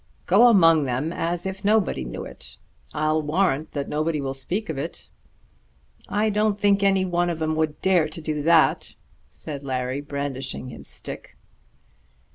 "Go among them as if nobody knew it. I'll warrant that nobody will speak of it." "I don't think any one of 'em would dare to do that," said Larry brandishing his stick.